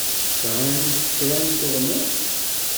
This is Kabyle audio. Sɛan yifekren tuɣmas?